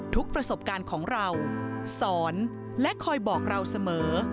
ประสบการณ์ของเราสอนและคอยบอกเราเสมอ